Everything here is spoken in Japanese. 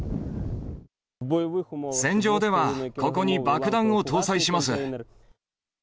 戦場では、ここに爆弾を搭載します。